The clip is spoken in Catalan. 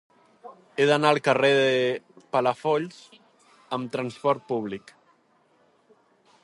He d'anar al carrer de Palafolls amb trasport públic.